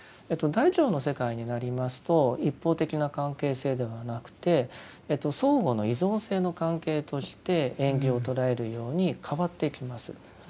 大乗の世界になりますと一方的な関係性ではなくて相互の依存性の関係として縁起を捉えるように変わっていきます。